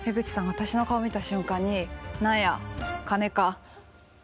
私の顔見た瞬間に「何や金か」って。